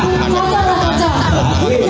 pemerintah untuk mendapatkan